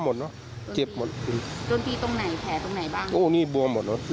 หมดเนอะเจ็บหมดโดนตีตรงไหนแผลตรงไหนบ้างโอ้นี่บวมหมดเนอะ